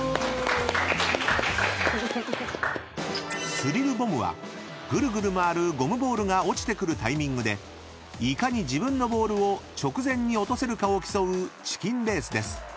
［スリルボムはぐるぐる回るボムボールが落ちてくるタイミングでいかに自分のボールを直前に落とせるかを競うチキンレースです］